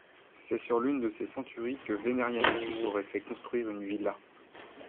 C'est sur l'une de ces centuries que Vénérianicus aurait fait construire une villa.